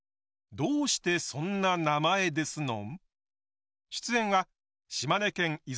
「どうしてそんな名前ですのん」